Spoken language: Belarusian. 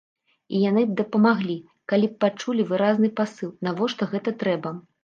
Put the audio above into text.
І яны б дапамаглі, калі б пачулі выразны пасыл, навошта гэта трэба.